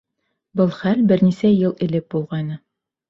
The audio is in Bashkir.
Был хәл бер нисә йыл элек булғайны.